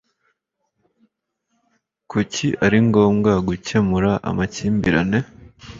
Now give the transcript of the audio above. Kuki ari ngombwa gukemura amakimbirane?